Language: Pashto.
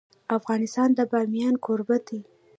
افغانستان د بامیان کوربه دی.